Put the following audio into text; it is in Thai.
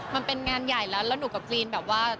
มันเป็นงานใหญ่แล้วแล้วหนูกับกรีนแบบว่า